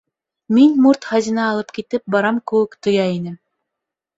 Мин мурт хазина алып китеп барам кеүек тойа инем.